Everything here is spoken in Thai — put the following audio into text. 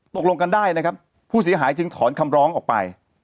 ตกลงกันได้นะครับผู้เสียหายจึงถอนคำร้องออกไป